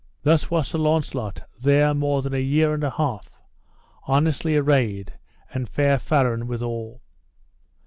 Thus was Sir Launcelot there more than a year and a half, honestly arrayed and fair faren withal.